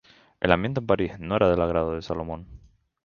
El ambiente en París, no era del agrado de Salomón.